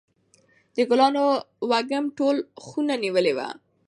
د ګلانو وږم ټوله خونه نیولې وه.